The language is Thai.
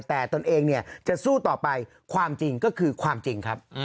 แต่ตนเองเนี่ยจะสู้ต่อไปความจริงก็คือความจริงครับ